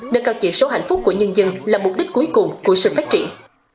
nơi cao chỉ số hạnh phúc của nhân dân là mục đích cuối cùng của sự phát triển